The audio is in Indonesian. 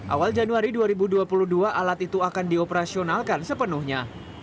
awal januari dua ribu dua puluh dua alat itu akan dioperasionalkan sepenuhnya